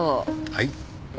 はい？